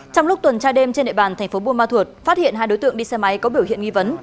trong lúc tuần trai đêm trên địa bàn tp buôn ma thuột phát hiện hai đối tượng đi xe máy có biểu hiện nghi vấn